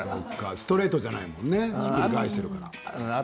ストレートじゃないものねひっくり返しているから。